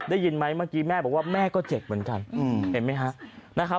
ได้ยินไหมเมื่อกี้แม่บอกว่าแม่ก็เจ็บเหมือนกัน